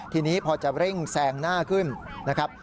ทีนี้พอจะเร่งแซงหน้าขึ้นนะครับ